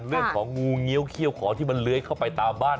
งูเงี้ยวเขี้ยวขอที่มันเลื้อยเข้าไปตามบ้าน